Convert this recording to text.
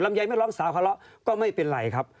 ใยไม่ร้องสาวทะเลาะก็ไม่เป็นไรครับ